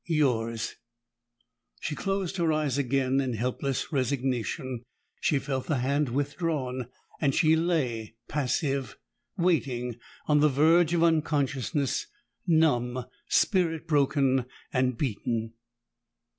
"Yours." She closed her eyes again in helpless resignation. She felt the hand withdrawn, and she lay passive, waiting, on the verge of unconsciousness, numb, spirit broken, and beaten.